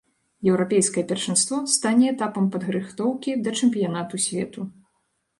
Еўрапейскае першынство стане этапам падрыхтоўкі да чэмпіянату свету.